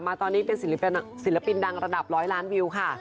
ตอนนี้เป็นศิลปินดังระดับร้อยล้านวิวค่ะ